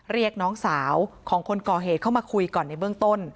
เรียกน้องสาวของคนก่อเหตุเข้ามาคุยก่อนในเบื้องต้น